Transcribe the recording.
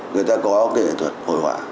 người ta có cái nghệ thuật hồi họa